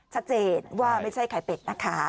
ชัดเจนว่าไม่ใช่ไข่เป็ดนะคะ